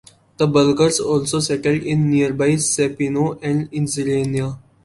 The Bulgars also settled in nearby Sepino and Isernia.